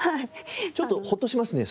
ちょっとホッとしますね。